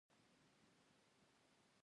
هغوی د نجونو حق له منځه یووړ.